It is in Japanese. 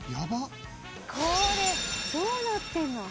これどうなってんの？